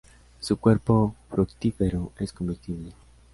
Su cuerpo fructífero es comestible.